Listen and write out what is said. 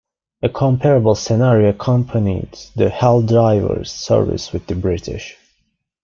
A comparable scenario accompanied the Helldiver's service with the British.